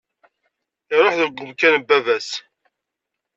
Iruḥ deg umkan n baba-s.